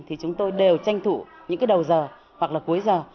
thì chúng tôi đều tranh thủ những cái đầu giờ hoặc là cuối giờ